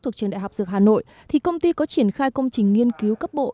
thuộc trường đại học dược hà nội thì công ty có triển khai công trình nghiên cứu cấp bộ